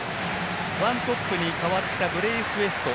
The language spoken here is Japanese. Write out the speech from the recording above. ワントップに代わったブレイスウェイト。